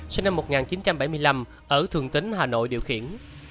sinh năm một nghìn chín trăm bảy mươi năm ở thường tính hà nội điều khiển